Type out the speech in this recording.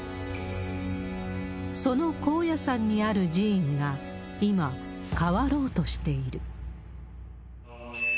その高野山にある寺院が、今、変わろうとしている。